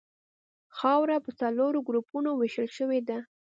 خاوره په څلورو ګروپونو ویشل شوې ده